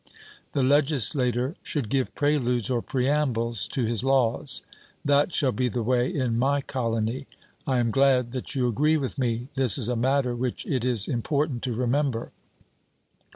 The legislator should give preludes or preambles to his laws. 'That shall be the way in my colony.' I am glad that you agree with me; this is a matter which it is important to remember.